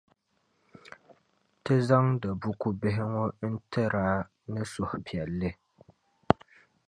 Ti zaŋdi buku bihi ŋɔ n-tir' a ni suhi piɛlli.